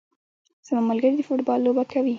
زما ملګري د فوټبال لوبه کوي